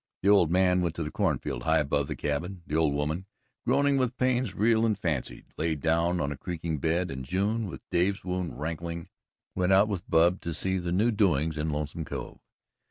The old man went to the cornfield high above the cabin, the old woman, groaning with pains real and fancied, lay down on a creaking bed, and June, with Dave's wound rankling, went out with Bub to see the new doings in Lonesome Cove.